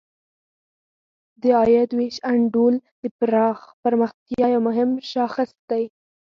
د عاید ویش انډول د پرمختیا یو مهم شاخص دی.